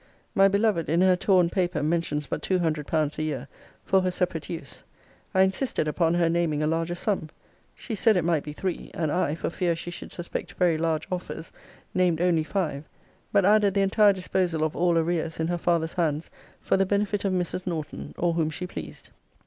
My beloved, in her torn paper, mentions but two hundred pounds a year, for her separate use. I insisted upon her naming a larger sum. She said it might be three; and I, for fear she should suspect very large offers, named only five; but added the entire disposal of all arrears in her father's hands for the benefit of Mrs. Norton, or whom she pleased.